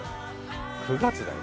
９月だよ。